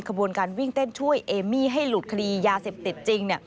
ขบวนการวิ่งเต้นช่วยเอมี่ให้หลุดคดียาเสพติดจริง